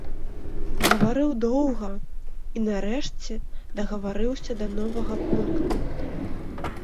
Гаварыў доўга і нарэшце дагаварыўся да новага пункта.